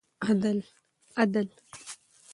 عدل